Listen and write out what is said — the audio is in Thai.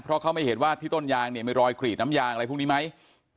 เพราะเขาไม่เห็นว่าที่ต้นยางเนี่ยมีรอยกรีดน้ำยางอะไรพวกนี้ไหม